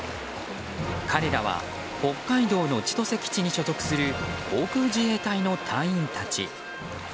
彼らは北海道の千歳基地に所属する航空自衛隊の隊員たち。